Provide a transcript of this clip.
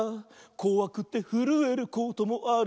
「こわくてふるえることもある」